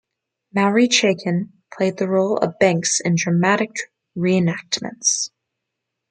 Maury Chaykin played the role of Banks in dramatic reenactments.